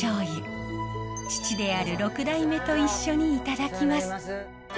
父である６代目と一緒にいただきます。